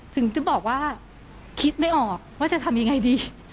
ถึงจะบอกว่าคิดไม่ออกว่าจะทำยังไงดี